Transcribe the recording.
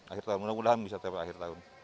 akhir tahun mudah mudahan bisa tewa akhir tahun